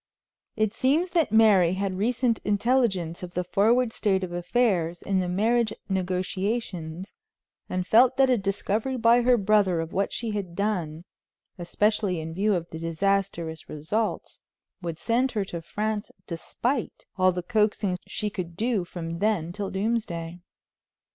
It seems that Mary had recent intelligence of the forward state of affairs in the marriage negotiations, and felt that a discovery by her brother of what she had done, especially in view of the disastrous results, would send her to France despite all the coaxing she could do from then till doomsday.